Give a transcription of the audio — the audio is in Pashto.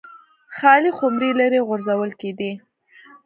خالي خُمرې لرې غورځول کېدې.